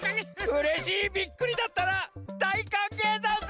うれしいビックリだったらだいかんげいざんす！